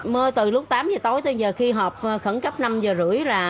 mưa từ lúc tám giờ tối tới giờ khi họp khẩn cấp năm giờ rưỡi là